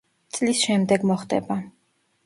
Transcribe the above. წლის შემდეგ მოხდება.